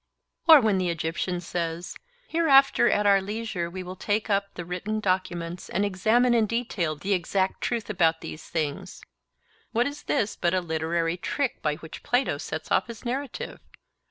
Or when the Egyptian says—'Hereafter at our leisure we will take up the written documents and examine in detail the exact truth about these things'—what is this but a literary trick by which Plato sets off his narrative?